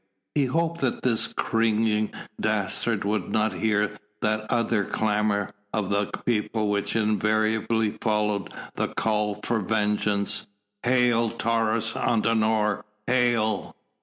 He hoped that this cringing dastard would not hear that other clamour of the people which invariably followed the call for vengeance: "Hail Taurus Antinor! Hail!"